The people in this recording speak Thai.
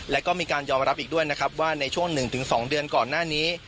แล้วก็มีการยอมรับอีกด้วยนะครับว่าในช่วง๑๒เดือนก่อนหน้านี้